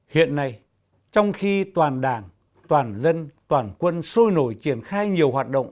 hiện nay trong khi toàn đảng toàn dân toàn quân sôi nổi triển khai nhiều hoạt động